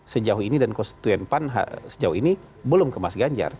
sejauh ini dan konstituen pan sejauh ini belum ke mas ganjar